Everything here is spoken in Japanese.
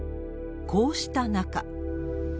こうした中。